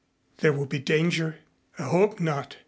"There will be danger?" "I hope not.